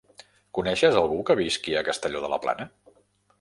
Coneixes algú que visqui a Castelló de la Plana?